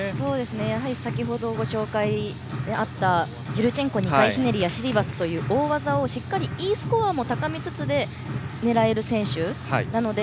やはり先程ご紹介のあったユルチェンコ２回ひねりやシリバスという大技をしっかりＥスコアも高めつつ狙える選手なので。